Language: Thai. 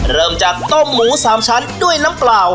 เริ่มจากต้มหมู๓ชั้นด้วยน้ำเปล่า